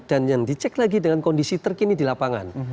dan yang dicek lagi dengan kondisi terkini di lapangan